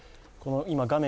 画面